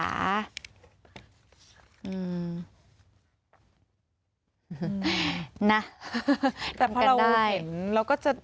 นะทำกันได้แต่พอเราเห็นเราก็จะ